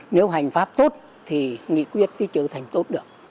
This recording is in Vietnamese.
nếu hành pháp tốt thì nghị quyết cái chữ thành tốt được